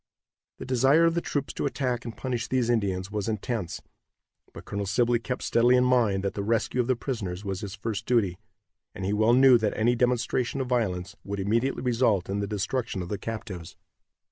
The desire of the troops to attack and punish these savages was intense, but Colonel Sibley kept steadily in mind that the rescue of the prisoners was his first duty, and he well knew that any demonstration of violence would immediately result in the destruction of the captives.